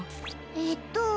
えっと。